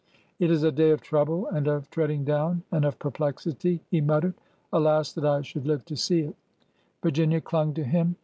It is a day of trouble, and of treading down, and of perplexity," he muttered. Alas 1 that I should live to see it 1 " Virginia clung to him.